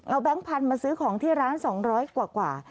แก๊งพันธุ์มาซื้อของที่ร้าน๒๐๐กว่า